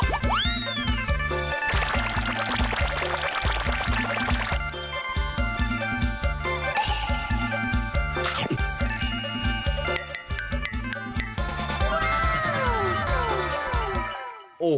มาก